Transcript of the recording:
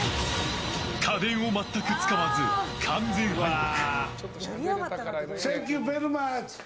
家電を全く使わず、完全敗北。